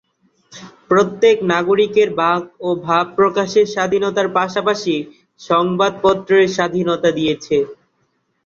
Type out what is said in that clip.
প্রত্যেক নাগরিকের বাক ও ভাব প্রকাশের স্বাধীনতার পাশাপাশি সংবাদপত্রের স্বাধীনতা দিয়েছে।